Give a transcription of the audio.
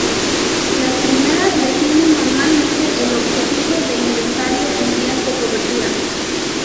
Las primeras definen normalmente el objetivo de inventario en días de cobertura.